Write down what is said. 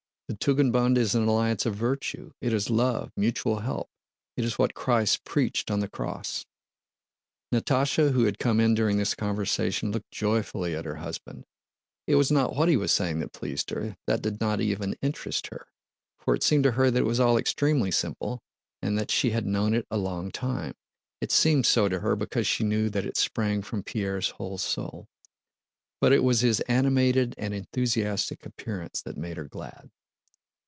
The Tugendbund is an alliance of virtue: it is love, mutual help... it is what Christ preached on the Cross." Natásha, who had come in during the conversation, looked joyfully at her husband. It was not what he was saying that pleased her—that did not even interest her, for it seemed to her that was all extremely simple and that she had known it a long time (it seemed so to her because she knew that it sprang from Pierre's whole soul), but it was his animated and enthusiastic appearance that made her glad.